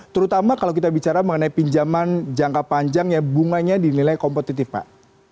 terutama kalau kita bicara mengenai pinjaman jangka panjang yang bunganya di nilai kompetitif pak